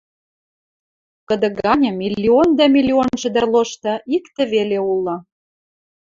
кыды ганьы миллион дӓ миллион шӹдӹр лошты иктӹ веле улы